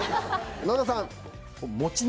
野田さん。